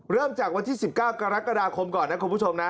เริ่มจากวันที่๑๙กรกฎาคมก่อนนะคุณผู้ชมนะ